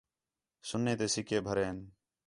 سُنّے تے سِکّے بھرین